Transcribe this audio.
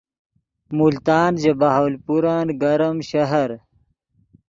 ملتان ژے بہاولپورن گرم شہر